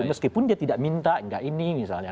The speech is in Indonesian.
meskipun dia tidak minta enggak ini misalnya